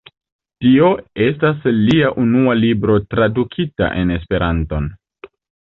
Tio estas lia unua libro tradukita en Esperanton.